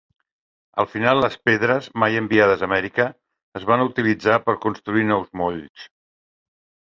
Al final, les pedres, mai enviades a Amèrica, es van utilitzar per construir nous molls.